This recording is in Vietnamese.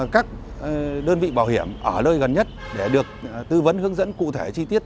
các đơn vị bảo hiểm ở nơi gần nhất để được tư vấn hướng dẫn cụ thể chi tiết